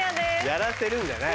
やらせるんじゃない。